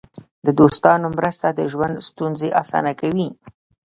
د دوستانو مرسته د ژوند ستونزې اسانه کوي.